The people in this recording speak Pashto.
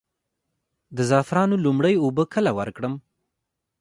د زعفرانو لومړۍ اوبه کله ورکړم؟